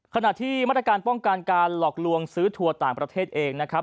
ขณะที่มาตรการป้องกันการหลอกลวงซื้อทัวร์ต่างประเทศเองนะครับ